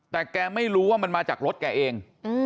แต่แกไม่รู้ว่ามันมาจากรถแกเอง